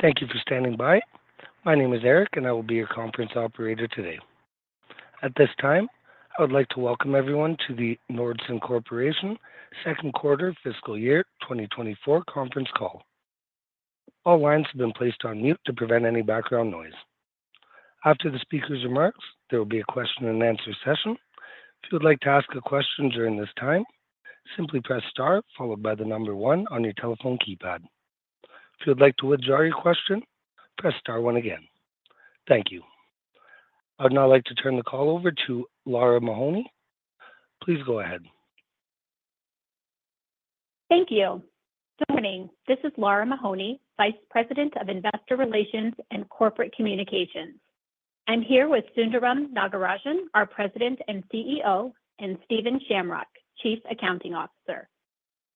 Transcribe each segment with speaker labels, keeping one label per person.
Speaker 1: Thank you for standing by. My name is Eric, and I will be your conference operator today. At this time, I would like to welcome everyone to the Nordson Corporation second quarter fiscal year 2024 conference call. All lines have been placed on mute to prevent any background noise. After the speaker's remarks, there will be a question and answer session. If you would like to ask a question during this time, simply press star followed by the number one on your telephone keypad. If you'd like to withdraw your question, press star one again. Thank you. I would now like to turn the call over to Lara Mahoney. Please go ahead.
Speaker 2: Thank you. Good morning. This is Lara Mahoney, Vice President of Investor Relations and Corporate Communications. I'm here with Sundaram Nagarajan, our President and CEO, and Stephen Shamrock, Chief Accounting Officer.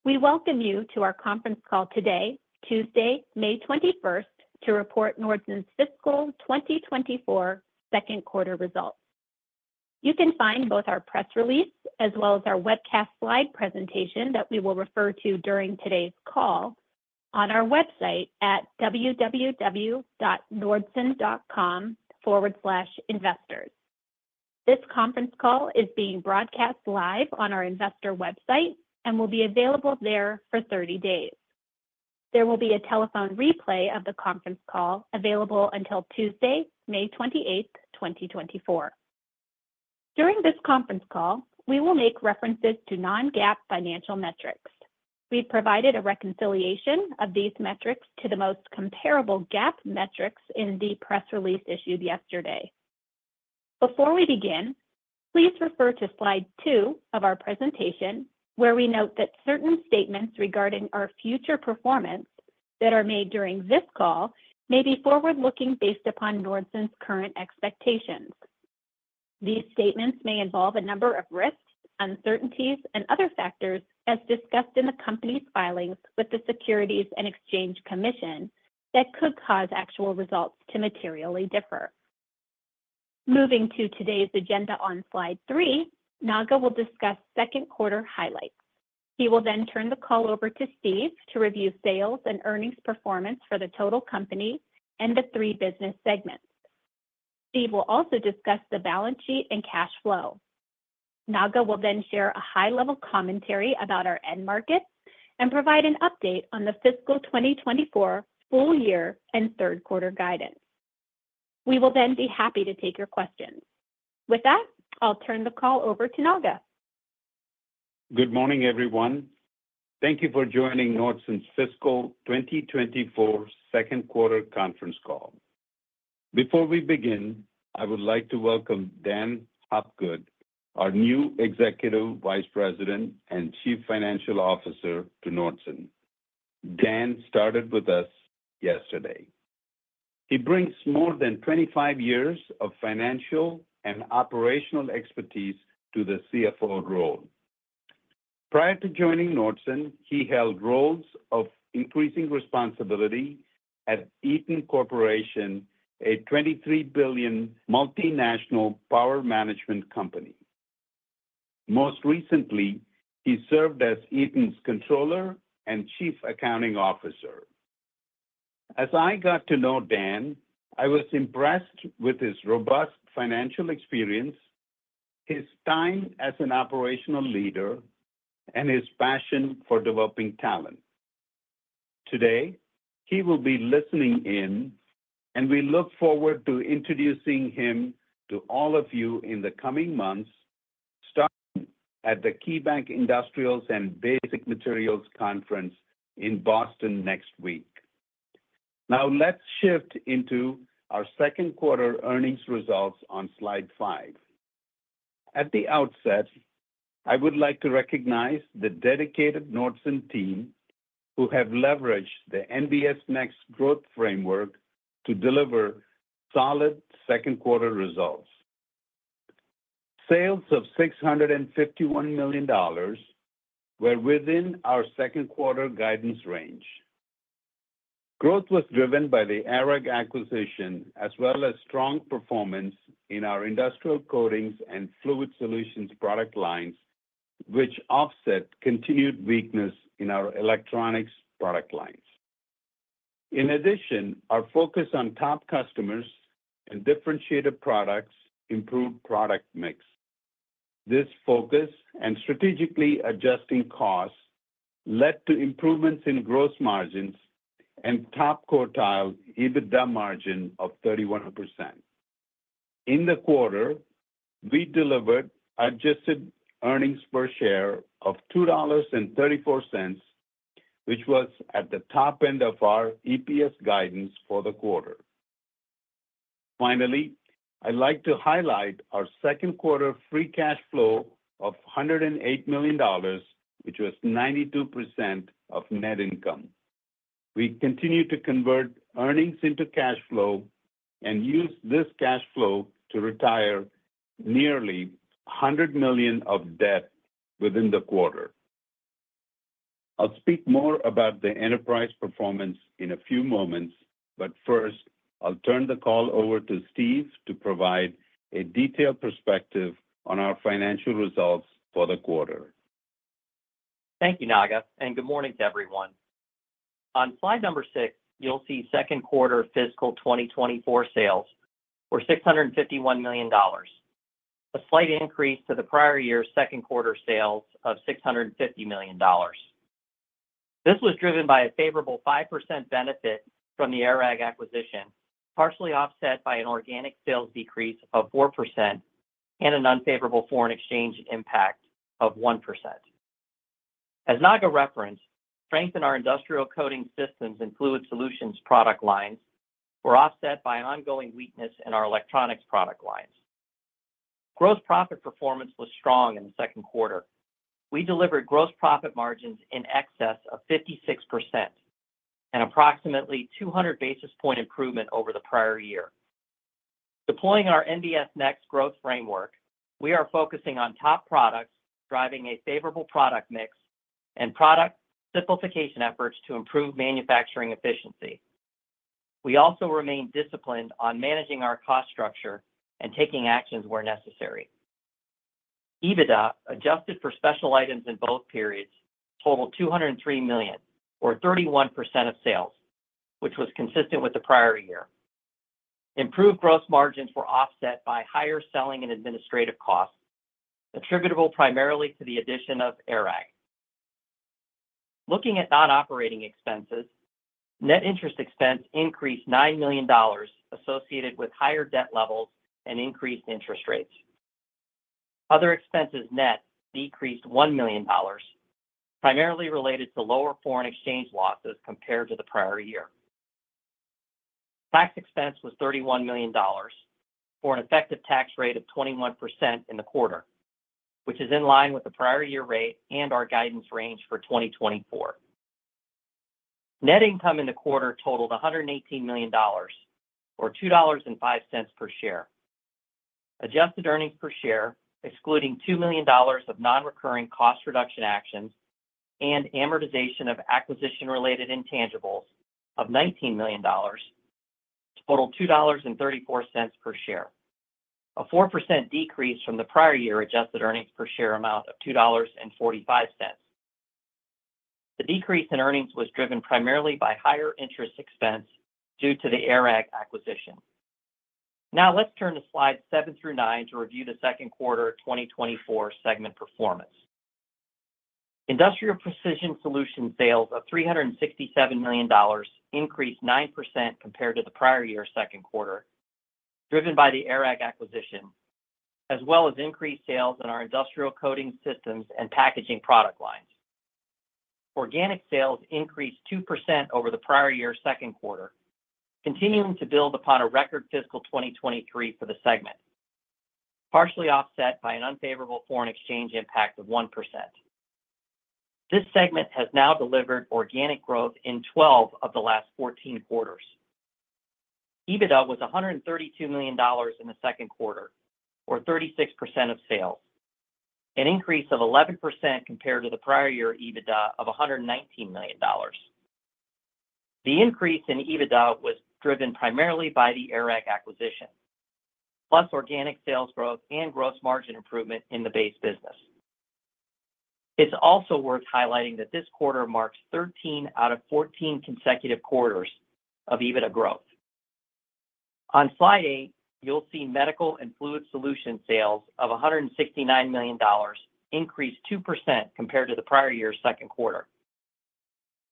Speaker 2: We welcome you to our conference call today, Tuesday, May 21st, to report Nordson's fiscal 2024 second quarter results. You can find both our press release as well as our webcast slide presentation that we will refer to during today's call on our website at www.nordson.com/investors. This conference call is being broadcast live on our investor website and will be available there for 30 days. There will be a telephone replay of the conference call available until Tuesday, May 28th, 2024. During this conference call, we will make references to non-GAAP financial metrics. We've provided a reconciliation of these metrics to the most comparable GAAP metrics in the press release issued yesterday. Before we begin, please refer to slide 2 of our presentation, where we note that certain statements regarding our future performance that are made during this call may be forward-looking based upon Nordson's current expectations. These statements may involve a number of risks, uncertainties, and other factors as discussed in the company's filings with the Securities and Exchange Commission that could cause actual results to materially differ. Moving to today's agenda on slide 3, Naga will discuss second quarter highlights. He will then turn the call over to Steve to review sales and earnings performance for the total company and the 3 business segments. Steve will also discuss the balance sheet and cash flow. Naga will then share a high-level commentary about our end markets and provide an update on the fiscal 2024 full year and third quarter guidance. We will then be happy to take your questions. With that, I'll turn the call over to Naga.
Speaker 3: Good morning, everyone. Thank you for joining Nordson's fiscal 2024 second quarter conference call. Before we begin, I would like to welcome Dan Hopgood, our new Executive Vice President and Chief Financial Officer, to Nordson. Dan started with us yesterday. He brings more than 25 years of financial and operational expertise to the CFO role. Prior to joining Nordson, he held roles of increasing responsibility at Eaton Corporation, a $23 billion multinational power management company. Most recently, he served as Eaton's Controller and Chief Accounting Officer. As I got to know Dan, I was impressed with his robust financial experience, his time as an operational leader, and his passion for developing talent. Today, he will be listening in, and we look forward to introducing him to all of you in the coming months, starting at the KeyBanc Industrials and Basic Materials Conference in Boston next week. Now, let's shift into our second quarter earnings results on Slide 5. At the outset, I would like to recognize the dedicated Nordson team, who have leveraged the NBS Next Growth Framework to deliver solid second quarter results. Sales of $651 million were within our second quarter guidance range. Growth was driven by the ARAG acquisition, as well as strong performance in our industrial coatings and fluid solutions product lines, which offset continued weakness in our electronics product lines. In addition, our focus on top customers and differentiated products improved product mix. This focus and strategically adjusting costs led to improvements in gross margins and top quartile EBITDA margin of 31%. In the quarter, we delivered adjusted earnings per share of $2.34, which was at the top end of our EPS guidance for the quarter. Finally, I'd like to highlight our second quarter free cash flow of $108 million, which was 92% of net income. We continue to convert earnings into cash flow and use this cash flow to retire nearly $100 million of debt within the quarter. I'll speak more about the enterprise performance in a few moments, but first, I'll turn the call over to Steve to provide a detailed perspective on our financial results for the quarter....
Speaker 4: Thank you, Naga, and good morning to everyone. On slide number 6, you'll see second quarter fiscal 2024 sales were $651 million, a slight increase to the prior year's second quarter sales of $650 million. This was driven by a favorable 5% benefit from the ARAG acquisition, partially offset by an organic sales decrease of 4% and an unfavorable foreign exchange impact of 1%. As Naga referenced, strength in our industrial coating systems and fluid solutions product lines were offset by an ongoing weakness in our electronics product lines. Gross profit performance was strong in the second quarter. We delivered gross profit margins in excess of 56% and approximately 200 basis point improvement over the prior year. Deploying our NBS Next growth framework, we are focusing on top products, driving a favorable product mix, and product simplification efforts to improve manufacturing efficiency. We also remain disciplined on managing our cost structure and taking actions where necessary. EBITDA, adjusted for special items in both periods, totaled $203 million, or 31% of sales, which was consistent with the prior year. Improved gross margins were offset by higher selling and administrative costs, attributable primarily to the addition of ARAG. Looking at non-operating expenses, net interest expense increased $9 million, associated with higher debt levels and increased interest rates. Other expenses net decreased $1 million, primarily related to lower foreign exchange losses compared to the prior year. Tax expense was $31 million, for an effective tax rate of 21% in the quarter, which is in line with the prior year rate and our guidance range for 2024. Net income in the quarter totaled $118 million, or $2.05 per share. Adjusted earnings per share, excluding $2 million of non-recurring cost reduction actions and amortization of acquisition-related intangibles of $19 million, totaled $2.34 per share, a 4% decrease from the prior year adjusted earnings per share amount of $2.45. The decrease in earnings was driven primarily by higher interest expense due to the ARAG acquisition. Now, let's turn to slides 7 through 9 to review the second quarter of 2024 segment performance. Industrial Precision Solutions sales of $367 million increased 9% compared to the prior year's second quarter, driven by the ARAG acquisition, as well as increased sales in our industrial coating systems and packaging product lines. Organic sales increased 2% over the prior year's second quarter, continuing to build upon a record fiscal 2023 for the segment, partially offset by an unfavorable foreign exchange impact of 1%. This segment has now delivered organic growth in 12 of the last 14 quarters. EBITDA was $132 million in the second quarter, or 36% of sales, an increase of 11% compared to the prior year EBITDA of $119 million. The increase in EBITDA was driven primarily by the ARAG acquisition, plus organic sales growth and gross margin improvement in the base business. It's also worth highlighting that this quarter marks 13 out of 14 consecutive quarters of EBITDA growth. On slide 8, you'll see Medical and Fluid Solutions sales of $169 million increased 2% compared to the prior year's second quarter,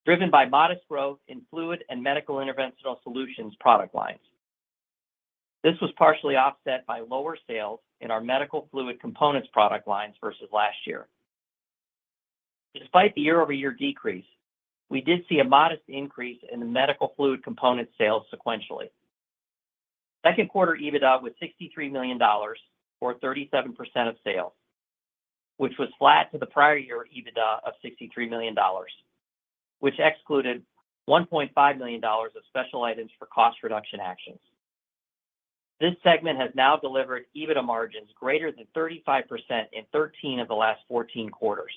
Speaker 4: driven by modest growth in fluid and medical interventional solutions product lines. This was partially offset by lower sales in our medical fluid components product lines versus last year. Despite the year-over-year decrease, we did see a modest increase in the medical fluid components sales sequentially. Second quarter EBITDA was $63 million, or 37% of sales, which was flat to the prior year EBITDA of $63 million, which excluded $1.5 million of special items for cost reduction actions. This segment has now delivered EBITDA margins greater than 35% in 13 of the last 14 quarters.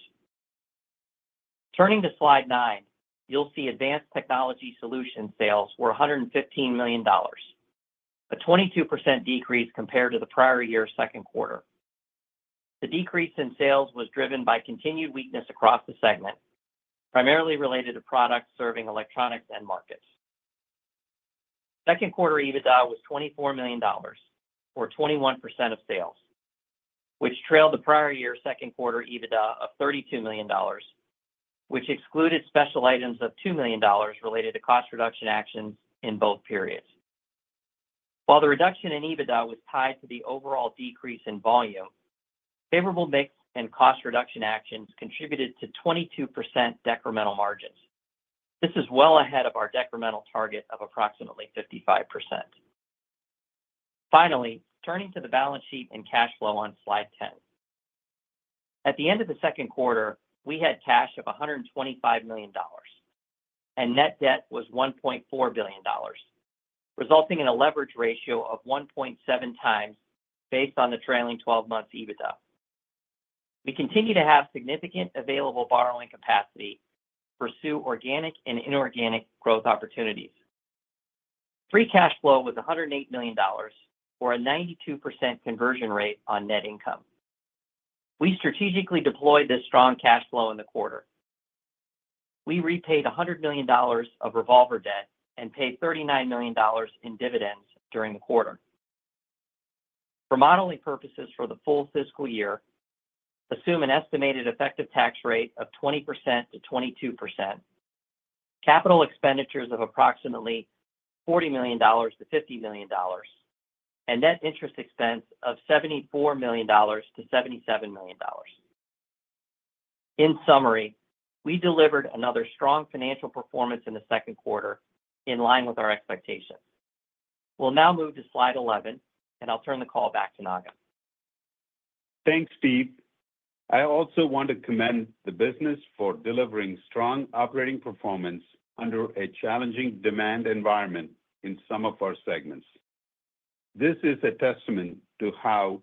Speaker 4: Turning to slide nine, you'll see Advanced Technology Solutions sales were $115 million, a 22% decrease compared to the prior year's second quarter. The decrease in sales was driven by continued weakness across the segment, primarily related to products serving electronics end markets. Second quarter EBITDA was $24 million, or 21% of sales, which trailed the prior year's second quarter EBITDA of $32 million, which excluded special items of $2 million related to cost reduction actions in both periods. While the reduction in EBITDA was tied to the overall decrease in volume, favorable mix and cost reduction actions contributed to 22% decremental margins. This is well ahead of our decremental target of approximately 55%. Finally, turning to the balance sheet and cash flow on slide ten. At the end of the second quarter, we had cash of $125 million, and net debt was $1.4 billion, resulting in a leverage ratio of 1.7 times based on the trailing 12 months EBITDA. We continue to have significant available borrowing capacity to pursue organic and inorganic growth opportunities. Free cash flow was $108 million, or a 92% conversion rate on net income. We strategically deployed this strong cash flow in the quarter. We repaid $100 million of revolver debt and paid $39 million in dividends during the quarter. For modeling purposes, for the full fiscal year, assume an estimated effective tax rate of 20%-22%, capital expenditures of approximately $40 million-$50 million, and net interest expense of $74 million-$77 million. In summary, we delivered another strong financial performance in the second quarter, in line with our expectations. We'll now move to slide 11, and I'll turn the call back to Naga.
Speaker 3: Thanks, Steve. I also want to commend the business for delivering strong operating performance under a challenging demand environment in some of our segments. This is a testament to how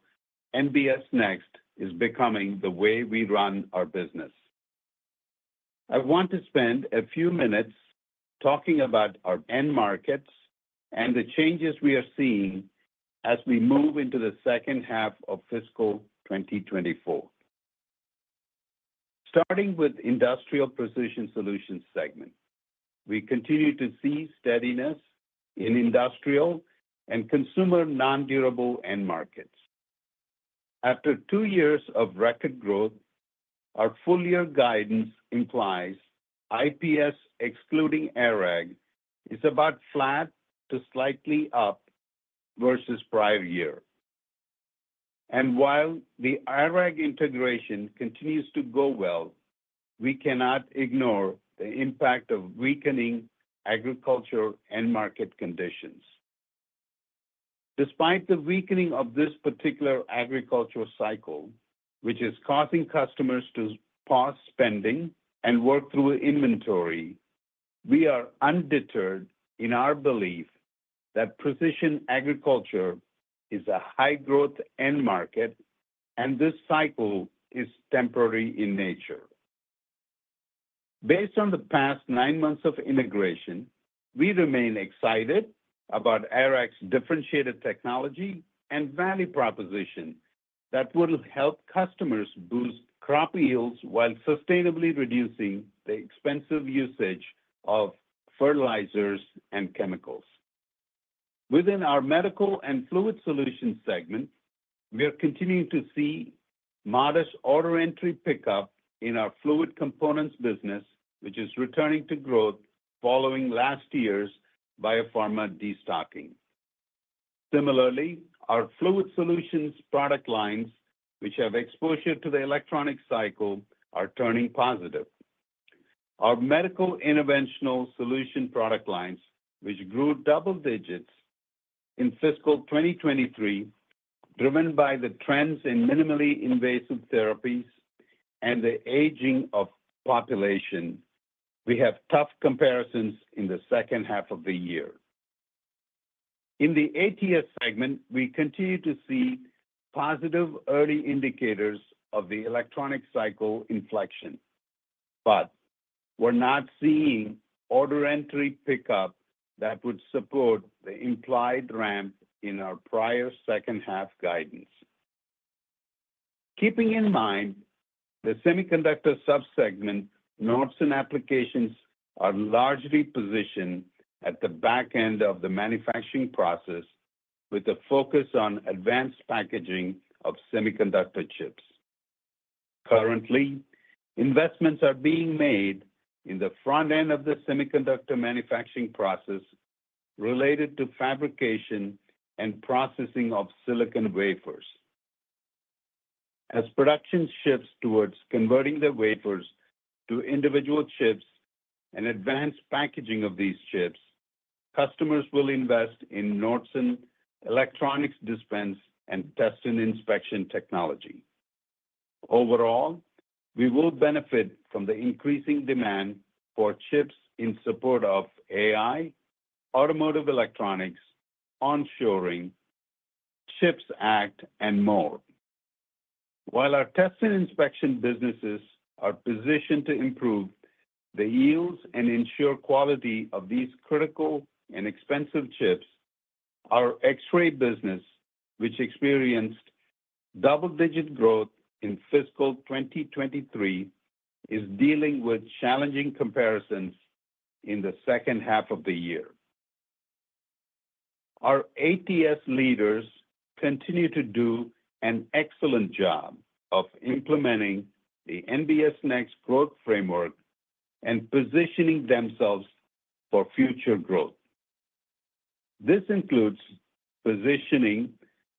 Speaker 3: NBS Next is becoming the way we run our business. I want to spend a few minutes talking about our end markets and the changes we are seeing as we move into the second half of fiscal 2024. Starting with Industrial Precision Solutions segment, we continue to see steadiness in industrial and consumer non-durable end markets. After two years of record growth, our full year guidance implies IPS, excluding ARAG, is about flat to slightly up versus prior year. While the ARAG integration continues to go well, we cannot ignore the impact of weakening agricultural end market conditions. Despite the weakening of this particular agricultural cycle, which is causing customers to pause spending and work through inventory, we are undeterred in our belief that precision agriculture is a high growth end market, and this cycle is temporary in nature. Based on the past nine months of integration, we remain excited about ARAG's differentiated technology and value proposition that will help customers boost crop yields while sustainably reducing the expensive usage of fertilizers and chemicals. Within our Medical and Fluid Solutions segment, we are continuing to see modest order entry pickup in our fluid components business, which is returning to growth following last year's biopharma destocking. Similarly, our fluid solutions product lines, which have exposure to the electronic cycle, are turning positive. Our medical interventional solutions product lines, which grew double digits in fiscal 2023, driven by the trends in minimally invasive therapies and the aging of population, we have tough comparisons in the second half of the year. In the ATS segment, we continue to see positive early indicators of the electronics cycle inflection, but we're not seeing order entry pickup that would support the implied ramp in our prior second half guidance. Keeping in mind the semiconductor sub-segment, Nordson applications are largely positioned at the back end of the manufacturing process, with a focus on advanced packaging of semiconductor chips. Currently, investments are being made in the front end of the semiconductor manufacturing process related to fabrication and processing of silicon wafers. As production shifts towards converting the wafers to individual chips and advanced packaging of these chips, customers will invest in Nordson Electronics dispense and test and inspection technology. Overall, we will benefit from the increasing demand for chips in support of AI, automotive electronics, onshoring, CHIPS Act, and more. While our test and inspection businesses are positioned to improve the yields and ensure quality of these critical and expensive chips, our X-ray business, which experienced double-digit growth in fiscal 2023, is dealing with challenging comparisons in the second half of the year. Our ATS leaders continue to do an excellent job of implementing the NBS Next growth framework and positioning themselves for future growth. This includes positioning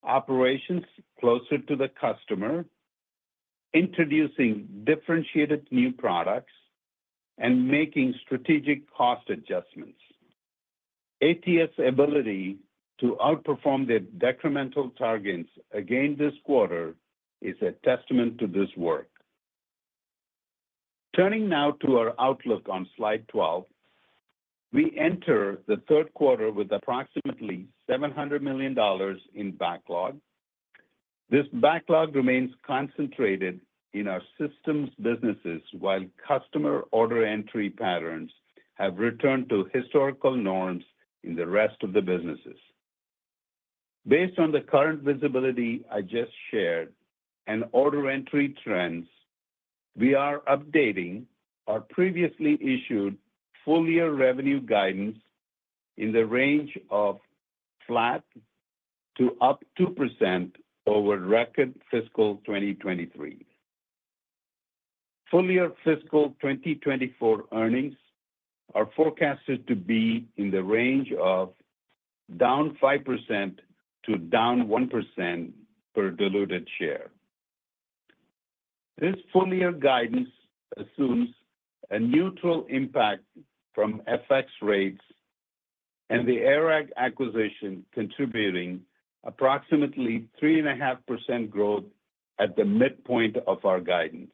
Speaker 3: operations closer to the customer, introducing differentiated new products, and making strategic cost adjustments. ATS ability to outperform their decremental targets again this quarter is a testament to this work. Turning now to our outlook on Slide 12, we enter the third quarter with approximately $700 million in backlog. This backlog remains concentrated in our systems businesses, while customer order entry patterns have returned to historical norms in the rest of the businesses. Based on the current visibility I just shared and order entry trends, we are updating our previously issued full-year revenue guidance in the range of flat to up 2% over record fiscal 2023. Full-year fiscal 2024 earnings are forecasted to be in the range of down -5% to -1% per diluted share. This full-year guidance assumes a neutral impact from FX rates and the ARAG acquisition, contributing approximately 3.5% growth at the midpoint of our guidance.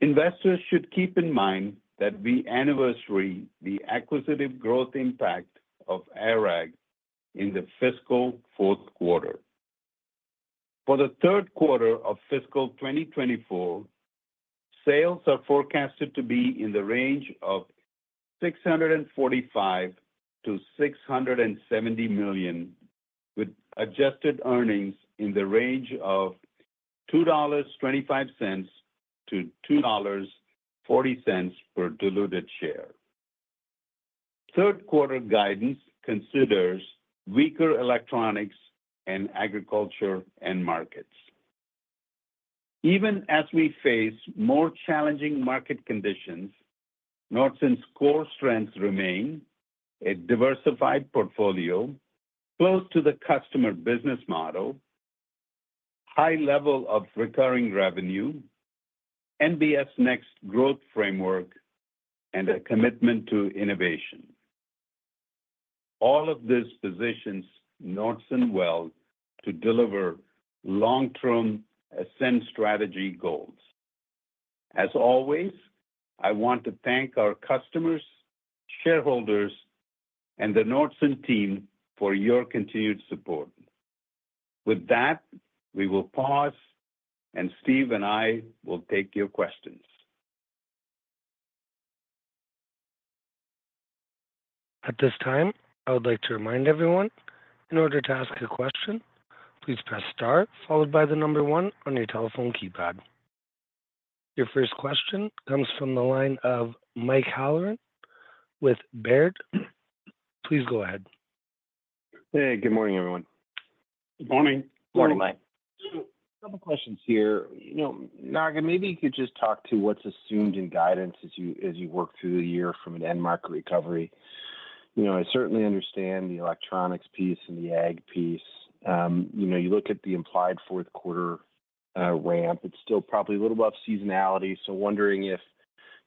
Speaker 3: Investors should keep in mind that we anniversary the acquisitive growth impact of ARAG in the fiscal fourth quarter. For the third quarter of fiscal 2024, sales are forecasted to be in the range of $645 million-$670 million, with adjusted earnings in the range of $2.25-$2.40 per diluted share. Third quarter guidance considers weaker electronics and agriculture end markets. Even as we face more challenging market conditions, Nordson's core strengths remain: a diversified portfolio, close to the customer business model, high level of recurring revenue, NBS Next growth framework, and a commitment to innovation. All of this positions Nordson well to deliver long-term Ascend Strategy goals. As always, I want to thank our customers, shareholders, and the Nordson team for your continued support. With that, we will pause, and Steve and I will take your questions.
Speaker 1: At this time, I would like to remind everyone, in order to ask a question, please press star followed by the number one on your telephone keypad. Your first question comes from the line of Mike Halloran with Baird. Please go ahead.
Speaker 5: Hey, good morning, everyone.
Speaker 3: Good morning.
Speaker 4: Morning, Mike.
Speaker 5: Couple questions here. You know, Naga, maybe you could just talk to what's assumed in guidance as you work through the year from an end market recovery. You know, I certainly understand the electronics piece and the ag piece. You know, you look at the implied fourth quarter ramp, it's still probably a little above seasonality. So wondering if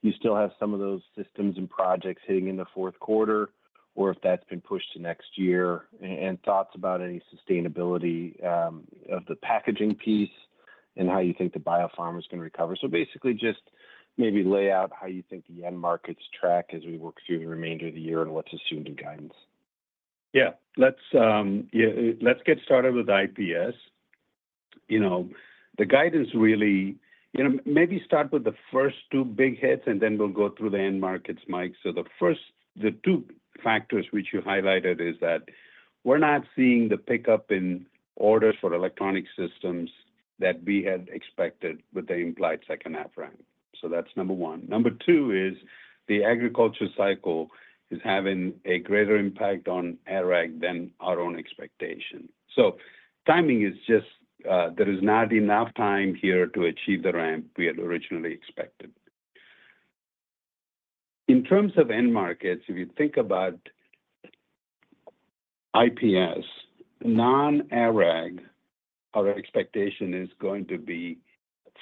Speaker 5: you still have some of those systems and projects hitting in the fourth quarter, or if that's been pushed to next year. And thoughts about any sustainability of the packaging piece and how you think the biopharma is going to recover. So basically, just maybe lay out how you think the end markets track as we work through the remainder of the year and what's assumed in guidance.
Speaker 3: Yeah, let's get started with IPS. You know, the guidance really, you know, maybe start with the first two big hits, and then we'll go through the end markets, Mike. So the first, the two factors, which you highlighted, is that we're not seeing the pickup in orders for electronic systems that we had expected with the implied second half ramp. So that's number 1. Number 2 is the agriculture cycle is having a greater impact on ARAG than our own expectation. So timing is just, there is not enough time here to achieve the ramp we had originally expected. In terms of end markets, if you think about IPS, non-ARAG, our expectation is going to be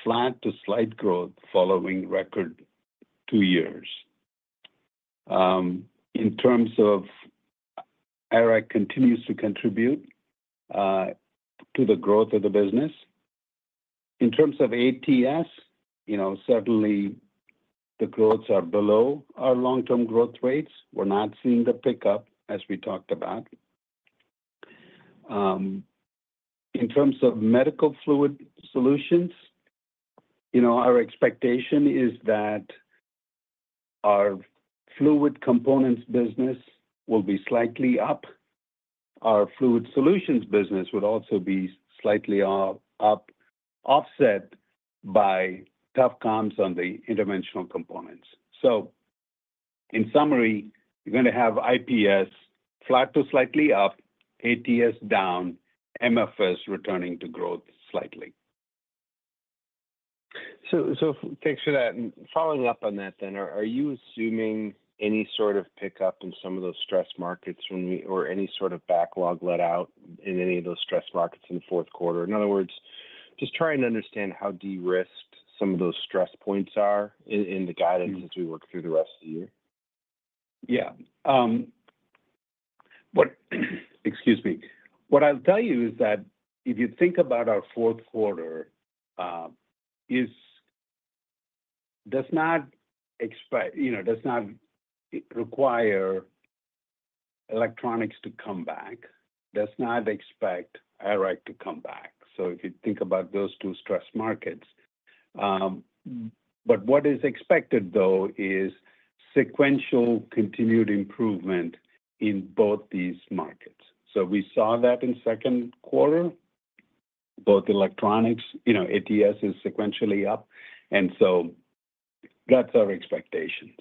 Speaker 3: flat to slight growth following record two years. In terms of ARAG continues to contribute to the growth of the business. In terms of ATS, you know, certainly the growths are below our long-term growth rates. We're not seeing the pickup, as we talked about. In terms of medical fluid solutions, you know, our expectation is that our fluid components business will be slightly up. Our fluid solutions business would also be slightly up, offset by tough comps on the interventional components. So in summary, you're gonna have IPS flat to slightly up, ATS down, MFS returning to growth slightly.
Speaker 5: So, thanks for that. And following up on that then, are you assuming any sort of pickup in some of those stress markets when we or any sort of backlog let out in any of those stress markets in the fourth quarter? In other words, just trying to understand how de-risked some of those stress points are in the guidance as we work through the rest of the year.
Speaker 3: Yeah, excuse me. What I'll tell you is that if you think about our fourth quarter, does not expect, you know, does not require electronics to come back, does not expect ARAG to come back. So if you think about those two stress markets, but what is expected though is sequential continued improvement in both these markets. So we saw that in second quarter. Both electronics, you know, ATS is sequentially up, and so that's our expectation,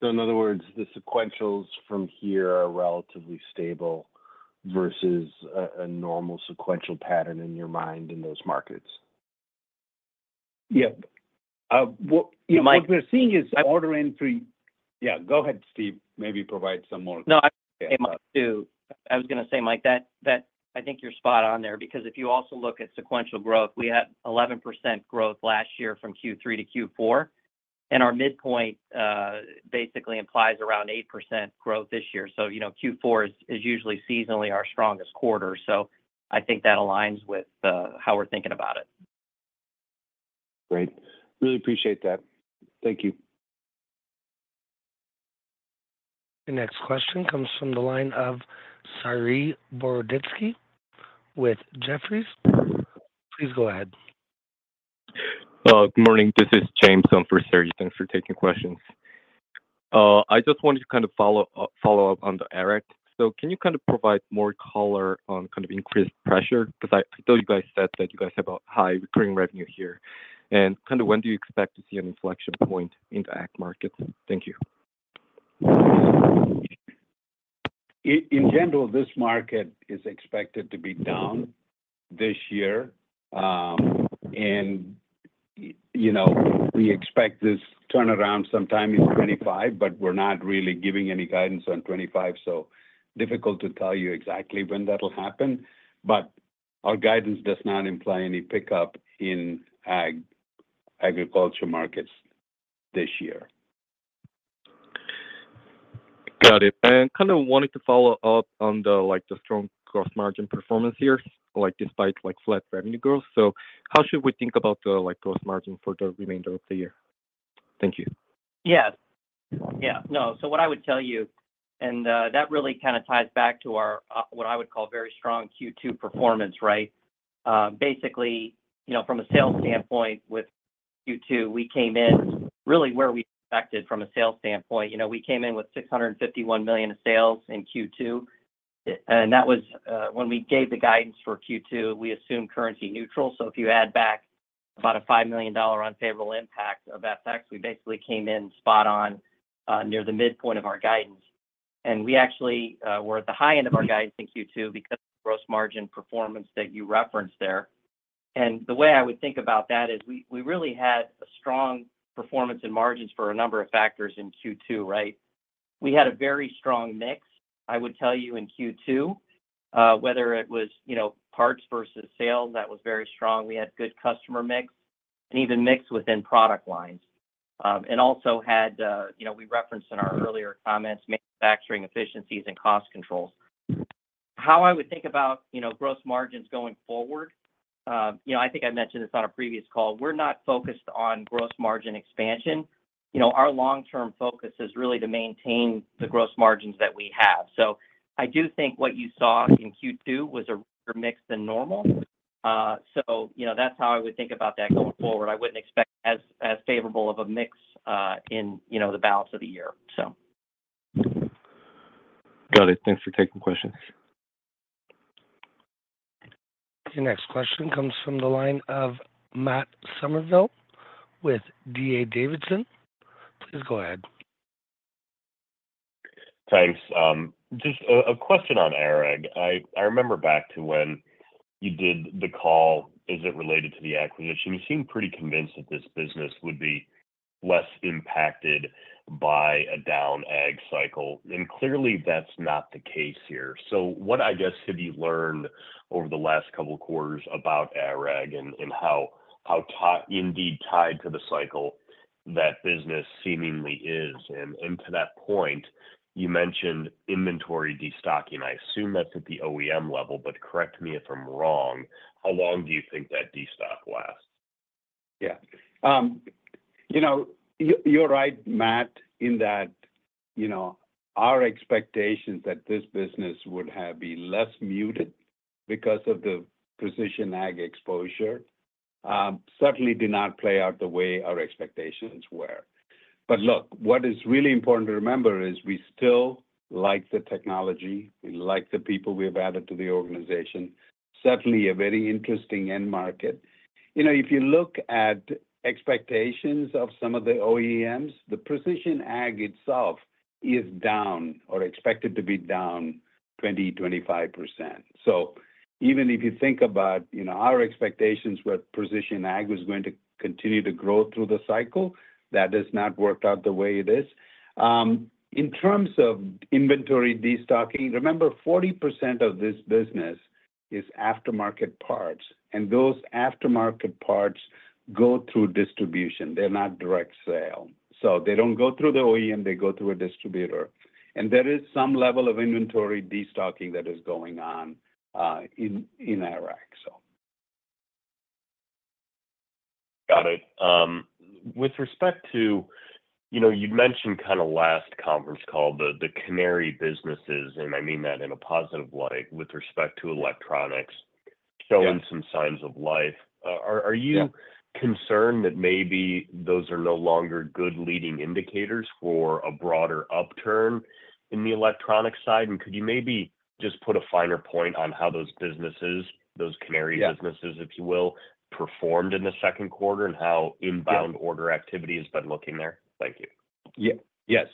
Speaker 3: so.
Speaker 5: So in other words, the sequentials from here are relatively stable versus a normal sequential pattern in your mind in those markets?
Speaker 3: Yeah. What-
Speaker 5: Mike-
Speaker 3: What we're seeing is order entry. Yeah, go ahead, Steve. Maybe provide some more-
Speaker 4: No, I, I was gonna say, Mike, that, that I think you're spot on there, because if you also look at sequential growth, we had 11% growth last year from Q3 to Q4, and our midpoint basically implies around 8% growth this year. So, you know, Q4 is, is usually seasonally our strongest quarter, so I think that aligns with how we're thinking about it.
Speaker 5: Great. Really appreciate that. Thank you.
Speaker 1: The next question comes from the line of Sari Boroditsky with Jefferies. Please go ahead.
Speaker 6: Good morning. This is James on for Sari. Thanks for taking questions. I just wanted to kind of follow up on the ag. So can you kind of provide more color on kind of increased pressure? Because I know you guys said that you guys have a high recurring revenue here. And kind of when do you expect to see an inflection point in the ag markets? Thank you.
Speaker 3: In general, this market is expected to be down this year. You know, we expect this turnaround sometime in 2025, but we're not really giving any guidance on 2025, so difficult to tell you exactly when that'll happen. But our guidance does not imply any pickup in ag, agriculture markets this year.
Speaker 6: Got it. And kind of wanted to follow up on the, like, the strong gross margin performance here, like, despite, like, flat revenue growth. So how should we think about the, like, gross margin for the remainder of the year? Thank you.
Speaker 4: Yes. Yeah, no, so what I would tell you, and, that really kind of ties back to our, what I would call very strong Q2 performance, right? Basically, you know, from a sales standpoint, with Q2, we came in really where we expected from a sales standpoint. You know, we came in with $651 million of sales in Q2, and that was, when we gave the guidance for Q2, we assumed currency neutral. So if you add back about a $5 million unfavorable impact of FX, we basically came in spot on, near the midpoint of our guidance. And we actually, were at the high end of our guidance in Q2 because of gross margin performance that you referenced there. The way I would think about that is we really had a strong performance in margins for a number of factors in Q2, right? We had a very strong mix, I would tell you, in Q2, whether it was, you know, parts versus sales, that was very strong. We had good customer mix, and even mix within product lines. And also had, you know, we referenced in our earlier comments, manufacturing efficiencies and cost controls. How I would think about, you know, gross margins going forward, you know, I think I mentioned this on a previous call, we're not focused on gross margin expansion. You know, our long-term focus is really to maintain the gross margins that we have. So I do think what you saw in Q2 was a mix than normal. So, you know, that's how I would think about that going forward. I wouldn't expect as favorable of a mix in, you know, the balance of the year, so.
Speaker 6: Got it. Thanks for taking questions.
Speaker 1: The next question comes from the line of Matt Summerville with D.A. Davidson. Please go ahead.
Speaker 7: Thanks. Just a question on ARAG. I remember back to when you did the call, is it related to the acquisition? You seemed pretty convinced that this business would be less impacted by a down ARAG cycle, and clearly, that's not the case here. So what, I guess, have you learned over the last couple of quarters about ARAG and how tied indeed to the cycle that business seemingly is? And to that point, you mentioned inventory destocking. I assume that's at the OEM level, but correct me if I'm wrong. How long do you think that destock lasts?
Speaker 3: Yeah. You know, you're right, Matt, in that, you know, our expectations that this business would have been less muted because of the precision ag exposure, certainly did not play out the way our expectations were. But look, what is really important to remember is we still like the technology, we like the people we have added to the organization. Certainly a very interesting end market. You know, if you look at expectations of some of the OEMs, the precision ag itself is down or expected to be down 20%-25%. So even if you think about, you know, our expectations with precision ag was going to continue to grow through the cycle, that has not worked out the way it is. In terms of inventory destocking, remember, 40% of this business is aftermarket parts, and those aftermarket parts go through distribution. They're not direct sale. So they don't go through the OEM, they go through a distributor, and there is some level of inventory destocking that is going on in ARAG....
Speaker 7: Got it. With respect to, you know, you mentioned kind of last conference call, the, the canary businesses, and I mean that in a positive light, with respect to electronics-
Speaker 3: Yeah
Speaker 7: - showing some signs of life. Are you-
Speaker 3: Yeah
Speaker 7: concerned that maybe those are no longer good leading indicators for a broader upturn in the electronic side? And could you maybe just put a finer point on how those businesses, those canary-
Speaker 3: Yeah
Speaker 7: businesses, if you will, performed in the second quarter, and how inbound order activity has been looking there? Thank you.
Speaker 3: Yeah. Yes.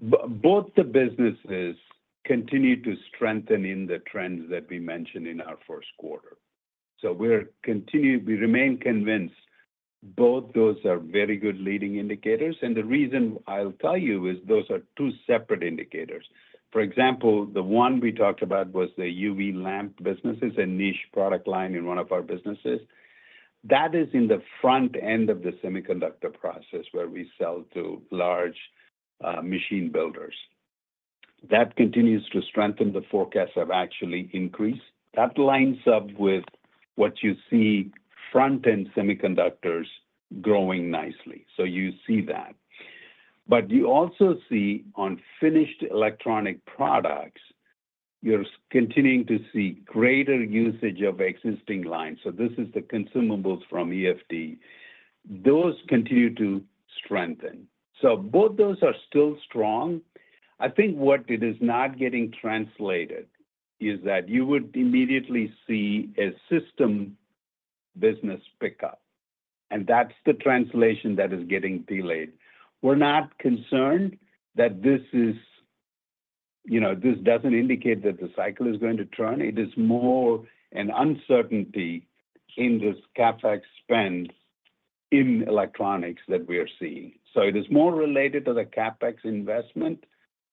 Speaker 3: Both the businesses continued to strengthen in the trends that we mentioned in our first quarter. So we remain convinced both those are very good leading indicators, and the reason I'll tell you is those are two separate indicators. For example, the one we talked about was the UV lamp business. It's a niche product line in one of our businesses. That is in the front end of the semiconductor process, where we sell to large, machine builders. That continues to strengthen, the forecasts have actually increased. That lines up with what you see front-end semiconductors growing nicely, so you see that. But you also see on finished electronic products, you're continuing to see greater usage of existing lines. So this is the consumables from EFD. Those continue to strengthen. So both those are still strong. I think what it is not getting translated is that you would immediately see a system business pick up, and that's the translation that is getting delayed. We're not concerned that this is... You know, this doesn't indicate that the cycle is going to turn. It is more an uncertainty in this CapEx spend in electronics that we are seeing. So it is more related to the CapEx investment,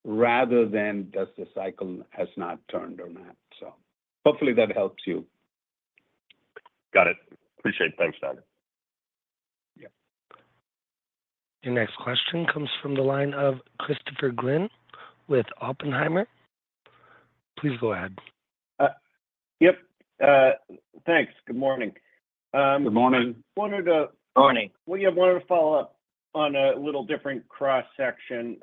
Speaker 3: rather than does the cycle has not turned or not. So hopefully that helps you.
Speaker 7: Got it. Appreciate it. Thanks, Dan.
Speaker 3: Yeah.
Speaker 1: Your next question comes from the line of Christopher Glynn with Oppenheimer. Please go ahead.
Speaker 8: Yep, thanks. Good morning.
Speaker 3: Good morning.
Speaker 8: Wanted to-
Speaker 3: Morning.
Speaker 8: We wanted to follow up on a little different cross section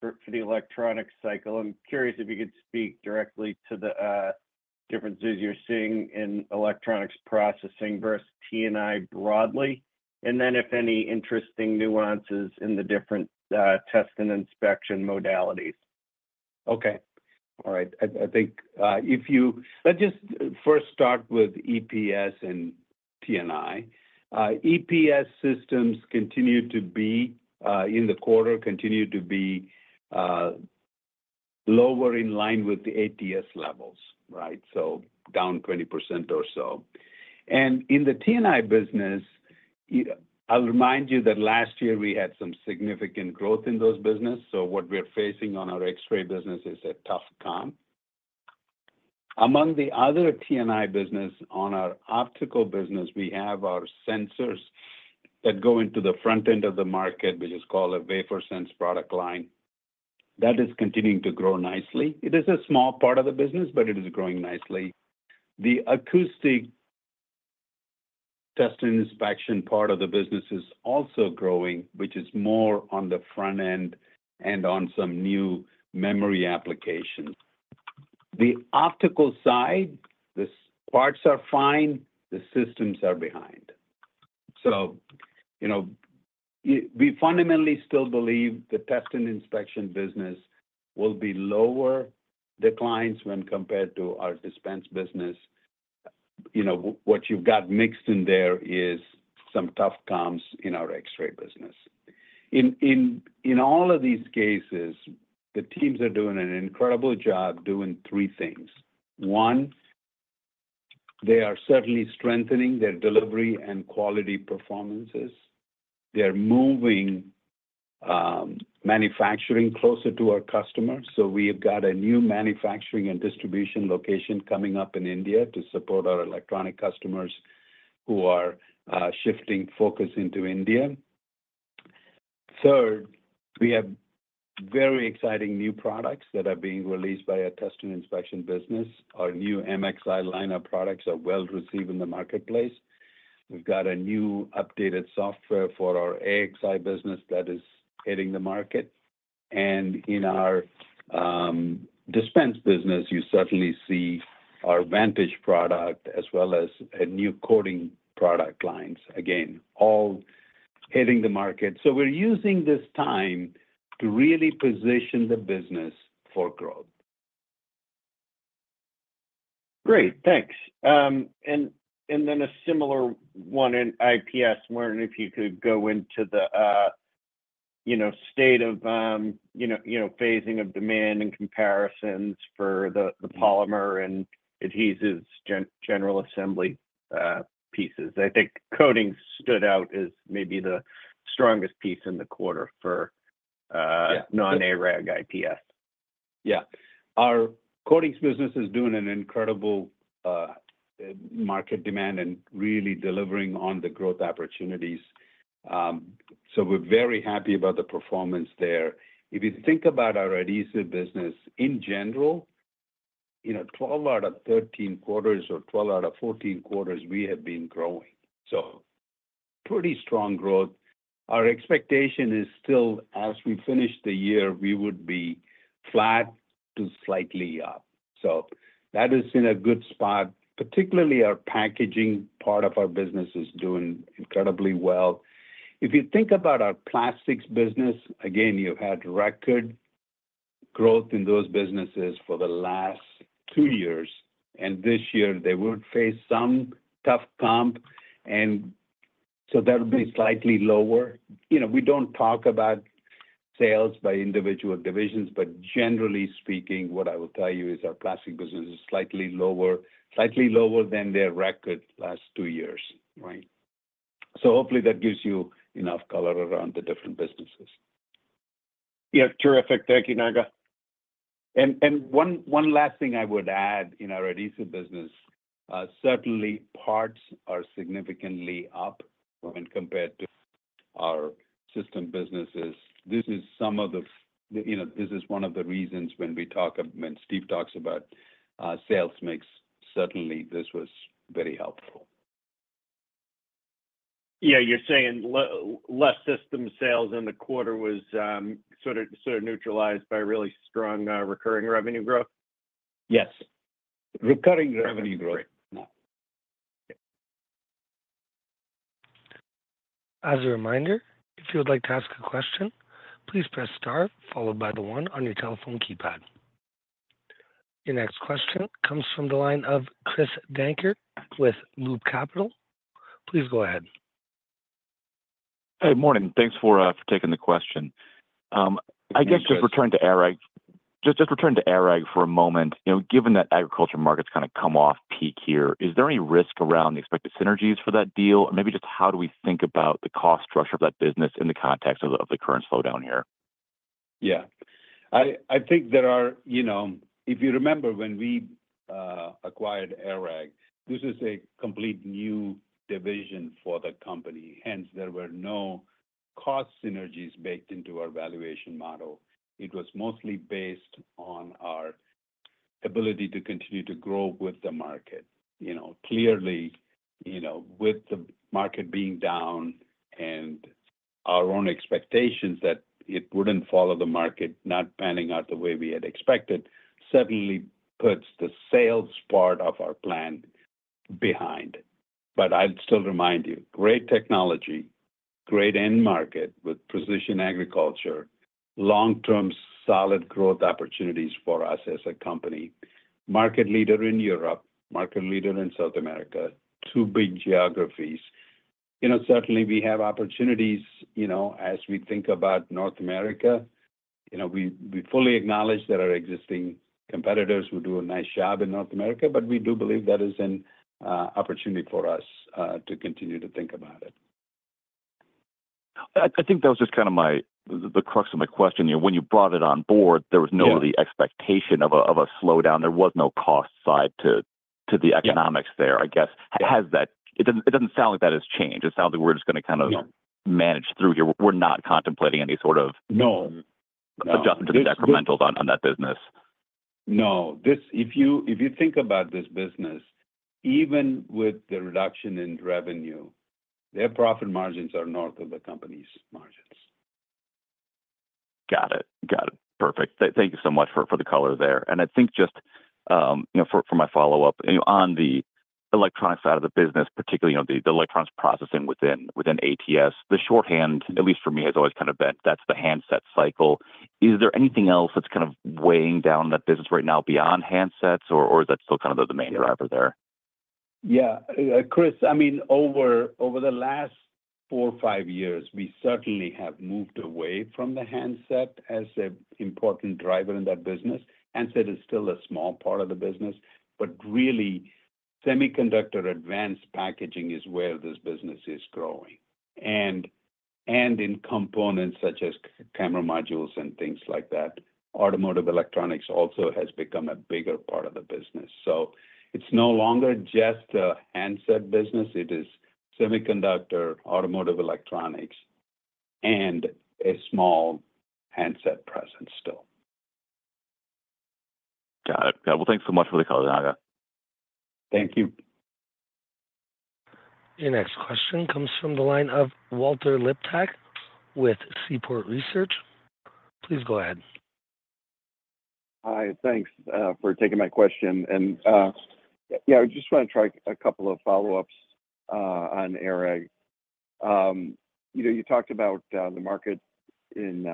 Speaker 8: for the electronic cycle. I'm curious if you could speak directly to the differences you're seeing in electronics processing versus T and I broadly, and then if any interesting nuances in the different test and inspection modalities?
Speaker 3: Okay. All right. I think, if you-- Let's just first start with EPS and T and I. EPS systems continue to be, in the quarter, continue to be, lower in line with the ATS levels, right? So down 20% or so. And in the T and I business, I'll remind you that last year we had some significant growth in those businesses, so what we're facing on our X-ray business is a tough comp. Among the other T and I business, on our optical business, we have our sensors that go into the front end of the market, which is called a WaferSense product line. That is continuing to grow nicely. It is a small part of the business, but it is growing nicely. The acoustic test and inspection part of the business is also growing, which is more on the front end and on some new memory applications. The optical side, the parts are fine, the systems are behind. So, you know, we fundamentally still believe the test and inspection business will be lower declines when compared to our dispense business. You know, what you've got mixed in there is some tough comps in our X-ray business. In all of these cases, the teams are doing an incredible job doing three things. One, they are certainly strengthening their delivery and quality performances. They're moving manufacturing closer to our customers, so we have got a new manufacturing and distribution location coming up in India to support our electronic customers who are shifting focus into India. Third, we have very exciting new products that are being released by our Test and Inspection business. Our new MXi line of products are well received in the marketplace. We've got a new updated software for our AXI business that is hitting the market. And in our dispense business, you certainly see our Vantage product as well as a new coating product lines, again, all hitting the market. So we're using this time to really position the business for growth.
Speaker 8: Great, thanks. And then a similar one in IPS, wondering if you could go into the, you know, phasing of demand and comparisons for the polymer and adhesives general assembly pieces. I think coating stood out as maybe the strongest piece in the quarter for-
Speaker 3: Yeah...
Speaker 8: non-ARAG IPS.
Speaker 3: Yeah. Our coatings business is doing an incredible market demand and really delivering on the growth opportunities. So we're very happy about the performance there. If you think about our adhesive business in general, you know, 12 out of 13 quarters or 12 out of 14 quarters, we have been growing. So pretty strong growth. Our expectation is still, as we finish the year, we would be flat to slightly up. So that is in a good spot. Particularly, our packaging part of our business is doing incredibly well. If you think about our plastics business, again, you've had record growth in those businesses for the last 2 years, and this year they would face some tough comp, and so that would be slightly lower. You know, we don't talk about sales by individual divisions, but generally speaking, what I will tell you is our plastic business is slightly lower, slightly lower than their record last two years, right? So hopefully that gives you enough color around the different businesses.
Speaker 8: Yeah, terrific. Thank you, Naga.
Speaker 3: One last thing I would add in our adhesive business, certainly parts are significantly up when compared to our system businesses. This is some of the, you know, this is one of the reasons when we talk, when Steve talks about, sales mix, certainly this was very helpful.
Speaker 8: Yeah, you're saying less system sales in the quarter was sort of, sort of neutralized by really strong recurring revenue growth?
Speaker 3: Yes. Recurring revenue growth.
Speaker 1: As a reminder, if you would like to ask a question, please press star followed by the 1 on your telephone keypad. Your next question comes from the line of Chris Dankert with Loop Capital. Please go ahead.
Speaker 9: Hey, morning. Thanks for taking the question. I guess just returning to ARAG, just, just returning to ARAG for a moment. You know, given that agriculture markets kind of come off peak here, is there any risk around the expected synergies for that deal? Or maybe just how do we think about the cost structure of that business in the context of the current slowdown here?
Speaker 3: Yeah. I think there are, you know—if you remember, when we acquired ARAG, this is a complete new division for the company, hence, there were no cost synergies baked into our valuation model. It was mostly based on our ability to continue to grow with the market. You know, clearly, you know, with the market being down and our own expectations that it wouldn't follow the market, not panning out the way we had expected, certainly puts the sales part of our plan behind. But I'd still remind you, great technology, great end market with precision agriculture, long-term solid growth opportunities for us as a company. Market leader in Europe, market leader in South America, two big geographies. You know, certainly we have opportunities, you know, as we think about North America. You know, we fully acknowledge there are existing competitors who do a nice job in North America, but we do believe that is an opportunity for us to continue to think about it.
Speaker 7: I think that was just kind of the crux of my question. You know, when you brought it on board-
Speaker 3: Yeah...
Speaker 9: there was no real expectation of a slowdown. There was no cost side to the-
Speaker 3: Yeah
Speaker 9: economics there. I guess, has that... It doesn't sound like that has changed. It sounds like we're just gonna kind of-
Speaker 3: No
Speaker 9: manage through here. We're not contemplating any sort of-
Speaker 3: No
Speaker 9: adjustment to the incrementals on that business.
Speaker 3: No. This, if you think about this business, even with the reduction in revenue, their profit margins are north of the company's margins.
Speaker 9: Got it. Got it. Perfect. Thank you so much for the color there. And I think just, you know, for my follow-up, you know, on the electronics side of the business, particularly, you know, the electronics processing within ATS, the shorthand, at least for me, has always kind of been, that's the handset cycle. Is there anything else that's kind of weighing down that business right now beyond handsets, or is that still kind of the main driver there?
Speaker 3: Yeah. Chris, I mean, over the last four or five years, we certainly have moved away from the handset as an important driver in that business. Handset is still a small part of the business, but really, Semiconductor Advanced Packaging is where this business is growing, and in components such as camera modules and things like that. Automotive electronics also has become a bigger part of the business. So it's no longer just a handset business, it is semiconductor, automotive electronics, and a small handset presence still.
Speaker 9: Got it. Yeah, well, thanks so much for the color, Naga.
Speaker 3: Thank you.
Speaker 1: Your next question comes from the line of Walter Liptak with Seaport Research. Please go ahead.
Speaker 10: Hi, thanks for taking my question. Yeah, I just wanna try a couple of follow-ups on ARAG. You know, you talked about the market in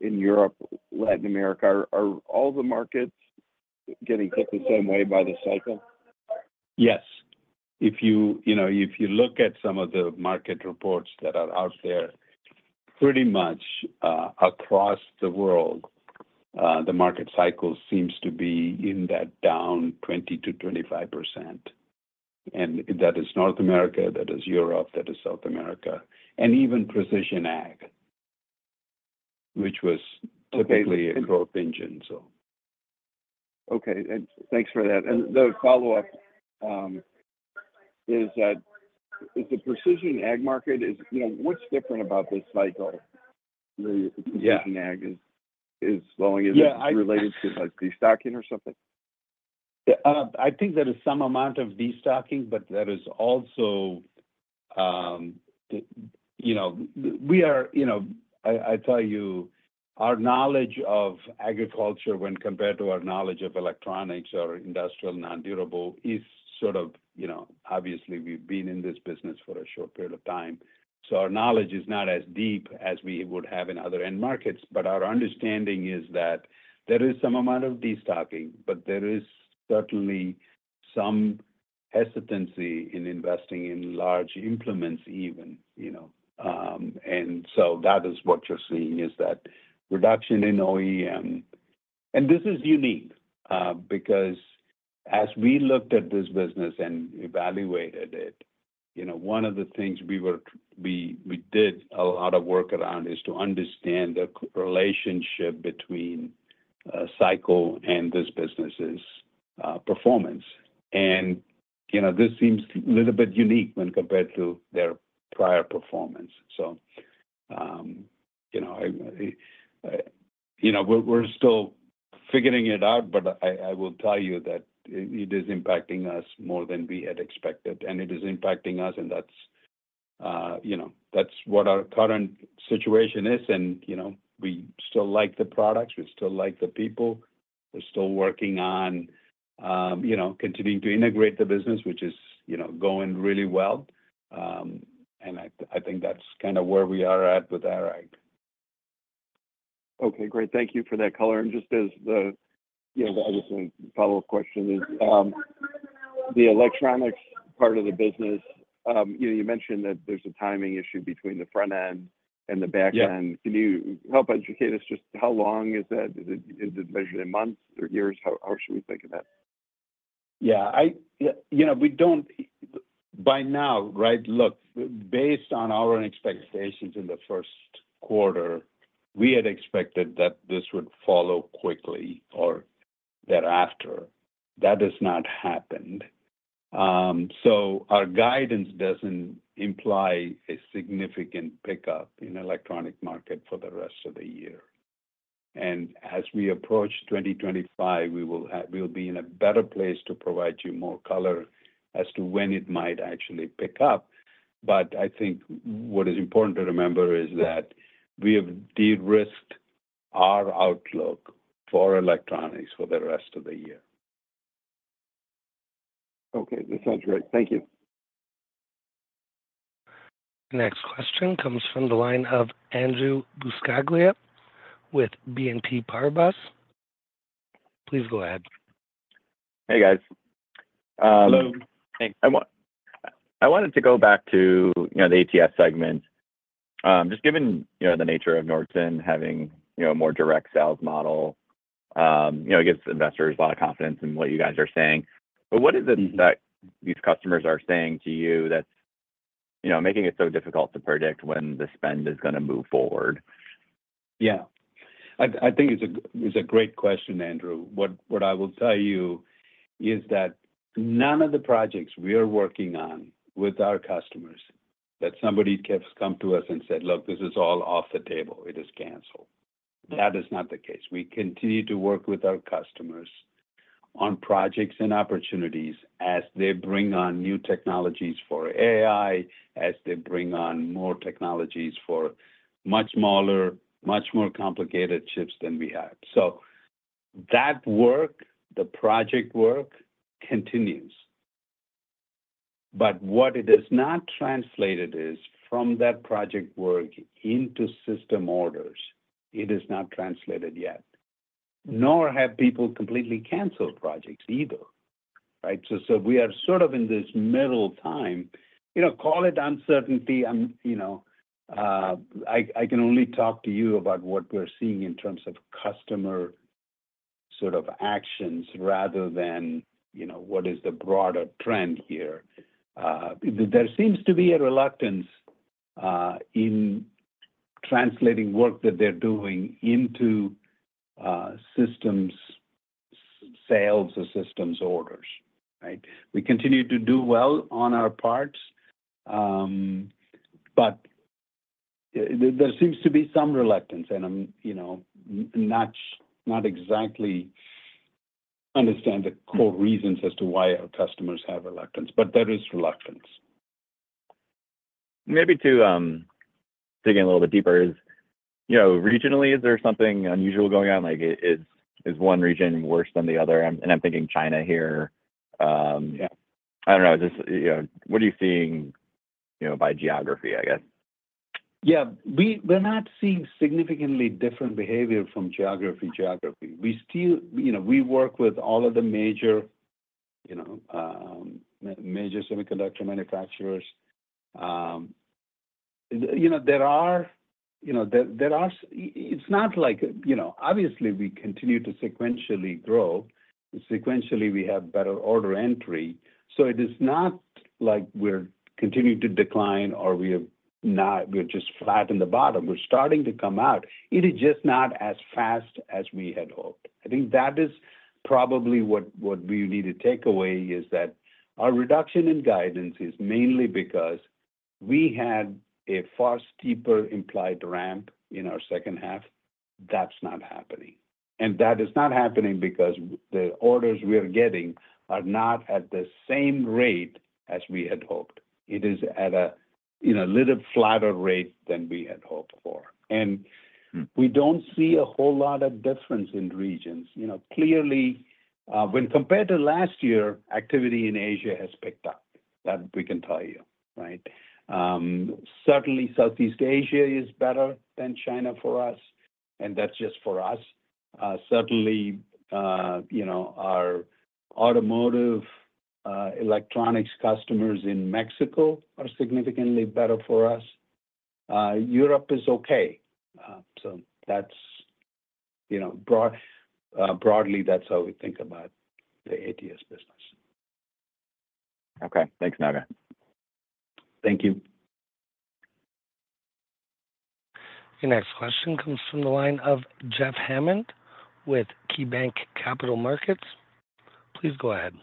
Speaker 10: Europe, Latin America. Are all the markets getting hit the same way by the cycle?
Speaker 3: Yes. If you, you know, if you look at some of the market reports that are out there, pretty much, across the world, the market cycle seems to be in that down 20%-25%, and that is North America, that is Europe, that is South America, and even Precision Ag, which was typically a growth engine, so.
Speaker 10: Okay, thanks for that. And the follow-up is the precision ag market, you know, what's different about this cycle?
Speaker 3: Yeah.
Speaker 10: The precision ag is slowing.
Speaker 3: Yeah, I-
Speaker 10: Is it related to, like, destocking or something?
Speaker 3: Yeah, I think there is some amount of destocking, but there is also, you know, we are, you know, I tell you, our knowledge of agriculture when compared to our knowledge of electronics or industrial non-durable is sort of, you know, obviously, we've been in this business for a short period of time. So our knowledge is not as deep as we would have in other end markets, but our understanding is that there is some amount of destocking, but there is certainly some hesitancy in investing in large implements even, you know. And so that is what you're seeing, is that reduction in OEM. And this is unique, because as we looked at this business and evaluated it, you know, one of the things we did a lot of work around is to understand the relationship between cycle and this business's performance. And, you know, this seems a little bit unique when compared to their prior performance. So, you know, we're still figuring it out, but I will tell you that it is impacting us more than we had expected, and it is impacting us, and that's what our current situation is. And, you know, we still like the products, we still like the people. We're still working on, you know, continuing to integrate the business, which is, you know, going really well. I think that's kind of where we are at with ag.
Speaker 10: Okay, great. Thank you for that color. And just as the, you know, obviously, follow-up question is, the electronics part of the business, you know, you mentioned that there's a timing issue between the front end and the back end.
Speaker 3: Yeah.
Speaker 10: Can you help educate us just how long is that? Is it, is it measured in months or years? How, how should we think of that?
Speaker 3: Yeah, yeah, you know, we don't by now, right, look, based on our expectations in the first quarter, we had expected that this would follow quickly or thereafter. That has not happened. So our guidance doesn't imply a significant pickup in the electronics market for the rest of the year. And as we approach 2025, we'll be in a better place to provide you more color as to when it might actually pick up. But I think what is important to remember is that we have de-risked our outlook for electronics for the rest of the year.
Speaker 10: Okay, that sounds great. Thank you.
Speaker 1: Next question comes from the line of Andrew Buscaglia with BNP Paribas. Please go ahead.
Speaker 11: Hey, guys.
Speaker 3: Hello. Hey.
Speaker 11: I wanted to go back to, you know, the ATS segment. Just given, you know, the nature of Nordson having, you know, a more direct sales model, you know, it gives investors a lot of confidence in what you guys are saying. But what is it that these customers are saying to you that's, you know, making it so difficult to predict when the spend is gonna move forward?
Speaker 3: Yeah. I think it's a great question, Andrew. What I will tell you is that none of the projects we are working on with our customers, that somebody has come to us and said, "Look, this is all off the table. It is canceled." That is not the case. We continue to work with our customers on projects and opportunities as they bring on new technologies for AI, as they bring on more technologies for much smaller, much more complicated chips than we have. So that work, the project work, continues, but what it has not translated is from that project work into system orders. It is not translated yet, nor have people completely canceled projects either, right? So we are sort of in this middle time, you know, call it uncertainty, you know, I can only talk to you about what we're seeing in terms of customer sort of actions rather than, you know, what is the broader trend here. There seems to be a reluctance in translating work that they're doing into systems sales or systems orders, right? We continue to do well on our parts, but there seems to be some reluctance, and I'm, you know, not exactly understand the core reasons as to why our customers have reluctance, but there is reluctance.
Speaker 11: Maybe to dig in a little bit deeper is, you know, regionally, is there something unusual going on? Like, is one region worse than the other? And I'm thinking China here.
Speaker 3: Yeah.
Speaker 11: I don't know. Just, you know, what are you seeing, you know, by geography, I guess?
Speaker 3: Yeah. We're not seeing significantly different behavior from geography to geography. We still... You know, we work with all of the major, you know, major semiconductor manufacturers. You know, there are, you know, there are. It's not like, you know, obviously, we continue to sequentially grow, and sequentially, we have better order entry, so it is not like we're continuing to decline or we have not. We're just flat in the bottom. We're starting to come out. It is just not as fast as we had hoped. I think that is probably what we need to take away, is that our reduction in guidance is mainly because... We had a far steeper implied ramp in our second half. That's not happening, and that is not happening because the orders we are getting are not at the same rate as we had hoped. It is at a, you know, little flatter rate than we had hoped for. And- Mm... we don't see a whole lot of difference in regions. You know, clearly, when compared to last year, activity in Asia has picked up. That we can tell you, right? Certainly, Southeast Asia is better than China for us, and that's just for us. Certainly, you know, our automotive, electronics customers in Mexico are significantly better for us. Europe is okay. So that's, you know, broad, broadly, that's how we think about the ATS business.
Speaker 11: Okay. Thanks, Naga.
Speaker 3: Thank you.
Speaker 1: Your next question comes from the line of Jeff Hammond with KeyBanc Capital Markets. Please go ahead.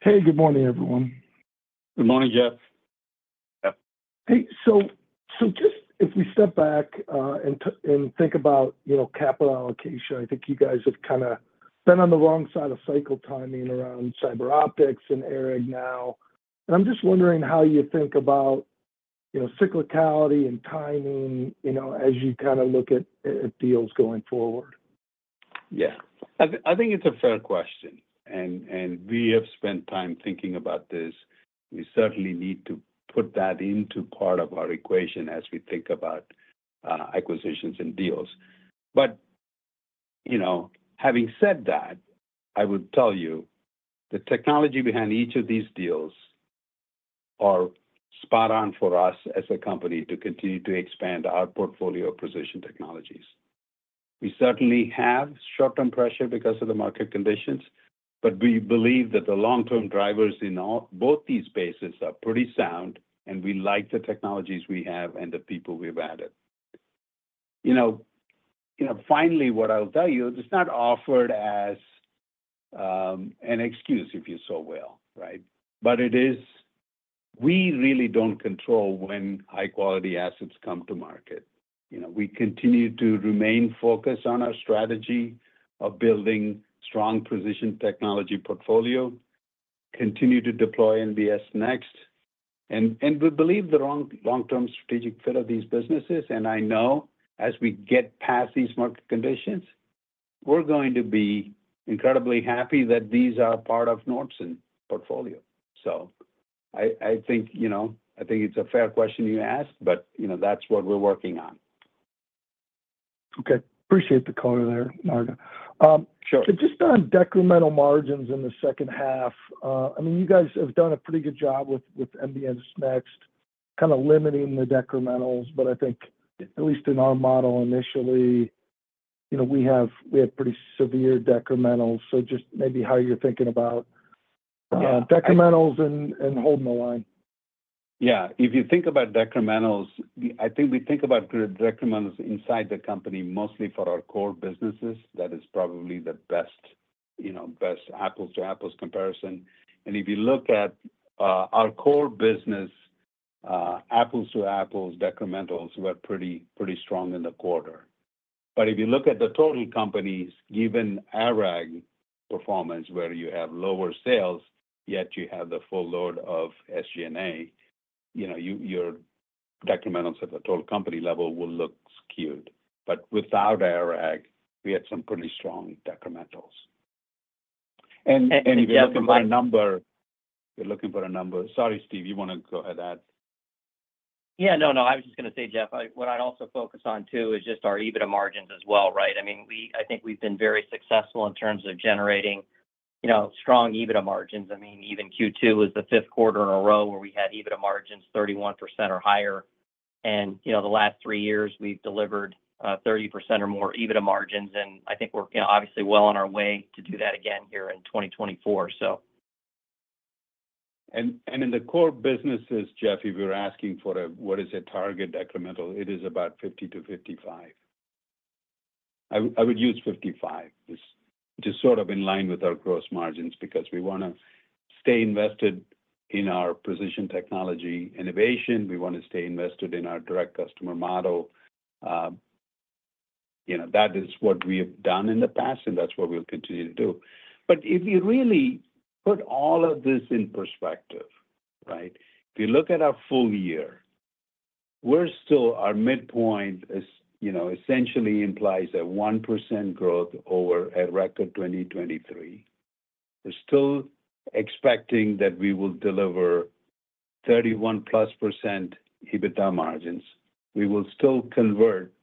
Speaker 12: Hey, good morning, everyone.
Speaker 3: Good morning, Jeff.
Speaker 4: Yep.
Speaker 12: Hey, so just if we step back, and think about, you know, capital allocation, I think you guys have kinda been on the wrong side of cycle timing around CyberOptics and ARAG now, and I'm just wondering how you think about, you know, cyclicality and timing, you know, as you kinda look at deals going forward?
Speaker 3: Yeah. I think it's a fair question, and we have spent time thinking about this. We certainly need to put that into part of our equation as we think about acquisitions and deals. But, you know, having said that, I would tell you, the technology behind each of these deals are spot on for us as a company to continue to expand our portfolio of position technologies. We certainly have short-term pressure because of the market conditions, but we believe that the long-term drivers in both these spaces are pretty sound, and we like the technologies we have and the people we've added. You know, finally, what I'll tell you, it's not offered as an excuse, if you so will, right? But it is, we really don't control when high-quality assets come to market. You know, we continue to remain focused on our strategy of building strong precision technology portfolio, continue to deploy NBS Next, and we believe the long-term strategic fit of these businesses. I know as we get past these market conditions, we're going to be incredibly happy that these are part of Nordson portfolio. So I think, you know, I think it's a fair question you asked, but, you know, that's what we're working on.
Speaker 12: Okay. Appreciate the color there, Naga.
Speaker 3: Sure.
Speaker 12: So just on decremental margins in the second half, I mean, you guys have done a pretty good job with, with NBS Next, kinda limiting the decrementals, but I think at least in our model, initially, you know, we have pretty severe decrementals. So just maybe how you're thinking about.
Speaker 3: Yeah
Speaker 12: ...decrementals and holding the line.
Speaker 3: Yeah. If you think about decrementals, I think we think about decrementals inside the company, mostly for our core businesses. That is probably the best, you know, best apples-to-apples comparison. And if you look at our core business, apples-to-apples decrementals were pretty, pretty strong in the quarter. But if you look at the total company, given ARAG performance, where you have lower sales, yet you have the full load of SG&A, you know, your decrementals at the total company level will look skewed. But without ARAG, we had some pretty strong decrementals. And if you're looking for a number-
Speaker 4: You're looking for a number...
Speaker 3: Sorry, Steve, you want to go ahead, add?
Speaker 4: Yeah, no, no, I was just gonna say, Jeff, I, what I'd also focus on, too, is just our EBITDA margins as well, right? I mean, we—I think we've been very successful in terms of generating, you know, strong EBITDA margins. I mean, even Q2 was the fifth quarter in a row where we had EBITDA margins, 31% or higher. And, you know, the last three years, we've delivered, 30% or more EBITDA margins, and I think we're, you know, obviously well on our way to do that again here in 2024, so.
Speaker 3: In the core businesses, Jeff, if you were asking for a, what is a target decremental, it is about 50%-55%. I would use 55%, just, just sort of in line with our gross margins, because we wanna stay invested in our precision technology innovation. We want to stay invested in our direct customer model. You know, that is what we have done in the past, and that's what we'll continue to do. But if you really put all of this in perspective, right? If you look at our full year, we're still, our midpoint is, you know, essentially implies a 1% growth over a record 2023. We're still expecting that we will deliver 31%+ EBITDA margins. We will still convert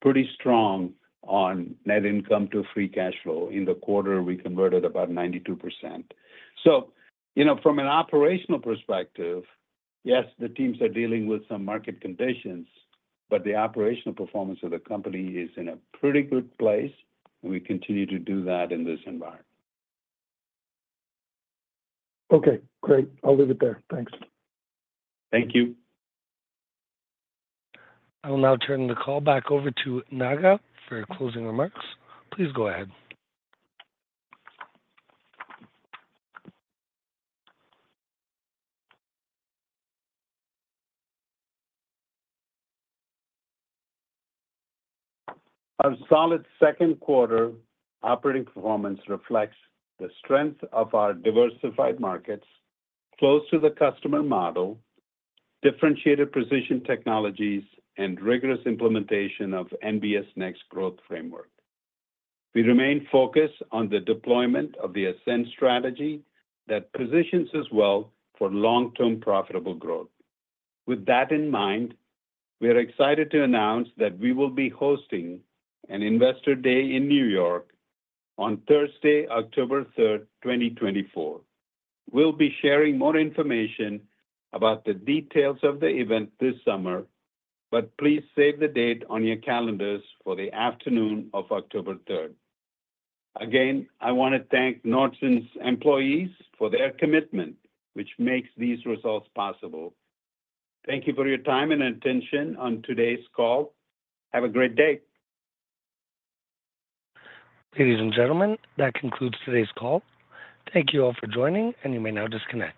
Speaker 3: pretty strong on net income to free cash flow. In the quarter, we converted about 92%. So, you know, from an operational perspective, yes, the teams are dealing with some market conditions, but the operational performance of the company is in a pretty good place, and we continue to do that in this environment.
Speaker 12: Okay, great. I'll leave it there. Thanks.
Speaker 4: Thank you.
Speaker 1: I will now turn the call back over to Naga for your closing remarks. Please go ahead.
Speaker 3: Our solid second quarter operating performance reflects the strength of our diversified markets, close to the customer model, differentiated precision technologies, and rigorous implementation of NBS Next growth framework. We remain focused on the deployment of the Ascend Strategy that positions us well for long-term profitable growth. With that in mind, we are excited to announce that we will be hosting an Investor Day in New York on Thursday, October third, 2024. We'll be sharing more information about the details of the event this summer, but please save the date on your calendars for the afternoon of October third. Again, I wanna thank Nordson's employees for their commitment, which makes these results possible. Thank you for your time and attention on today's call. Have a great day.
Speaker 1: Ladies and gentlemen, that concludes today's call. Thank you all for joining, and you may now disconnect.